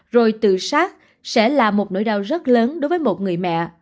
rồi tự sát sẽ là một nỗi đau rất lớn đối với một người mẹ